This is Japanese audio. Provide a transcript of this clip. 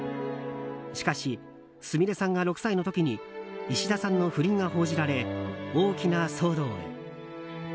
しかし、すみれさんが６歳の時に石田さんの不倫が報じられ大きな騒動へ。